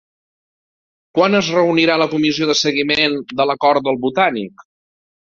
Quan es reunirà la comissió de seguiment de l'Acord del Botànic?